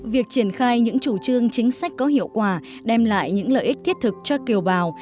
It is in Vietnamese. việc triển khai những chủ trương chính sách có hiệu quả đem lại những lợi ích thiết thực cho kiều bào